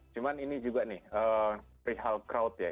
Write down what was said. cuma ini juga nih rihal kraut ya